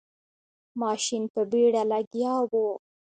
ماشین په بیړه لګیا و.